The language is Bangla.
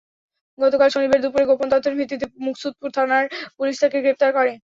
গতকাল শনিবার দুপুরে গোপন তথ্যের ভিত্তিতে মুকসুদপুর থানার পুলিশ তাঁকে গ্রেপ্তার করে।